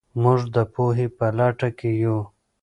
موږ د پوهې په لټه کې یو.